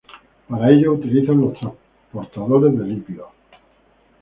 Para ello, utilizan los transportadores de lípidos.